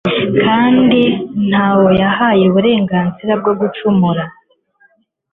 kandi nta n'uwo yahaye uburenganzira bwo gucumura